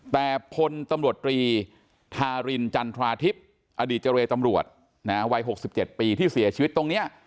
แต่พลตรีทารินจันทราทิพย์อดีตเจรตรวจนะวัยหกสิบเจ็ดปีที่เสียชีวิตตรงเนี้ย